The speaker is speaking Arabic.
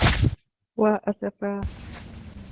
وَا أَسَفَاهْ.